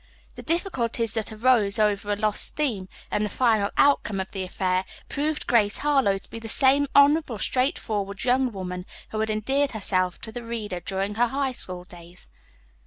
The difficulties that arose over a lost theme and the final outcome of the affair proved Grace Harlowe to be the same honorable, straightforward young woman who had endeared herself to the reader during her high school days.